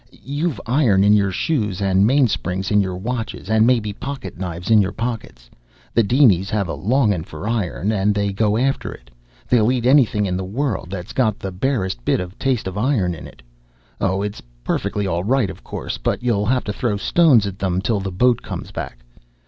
You've iron in your shoes and mainsprings in your watches and maybe pocket knives in your pockets. The dinies have a longin' for iron, and they go after it. They'll eat anything in the world that's got the barest bit of a taste of iron in it! Oh, it's perfectly all right, of course, but ye'll have to throw stones at them till the boat comes back.